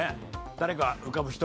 誰か浮かぶ人。